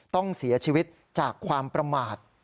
ต้องเสียชีวิตจากความประมาท